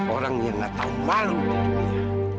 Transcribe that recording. orang yang gak tau malu di dunia